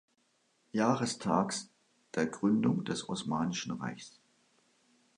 Jahrestags der Gründung des Osmanischen Reichs.